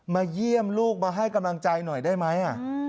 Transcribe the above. เยี่ยมลูกมาให้กำลังใจหน่อยได้ไหม